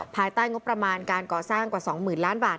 ภายใต้งบประมาณการก่อสร้างกว่า๒๐๐๐ล้านบาท